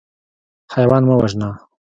حیوان مه وژنه.